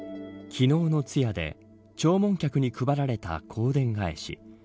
昨日の通夜で弔問客に配られた香典返し。